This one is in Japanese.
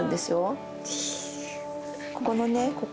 ここのねここ。